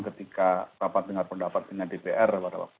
ketika dapat mendapat pendapat dengan dpr